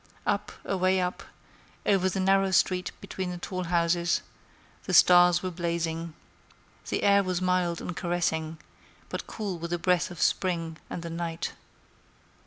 Up—away up, over the narrow street between the tall houses, the stars were blazing. The air was mild and caressing, but cool with the breath of spring and the night.